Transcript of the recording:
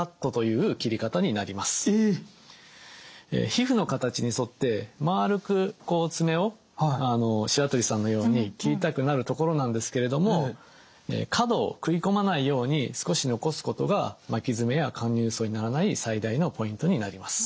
皮膚の形に沿って丸くこう爪を白鳥さんのように切りたくなるところなんですけれども角をくいこまないように少し残すことが巻き爪や陥入爪にならない最大のポイントになります。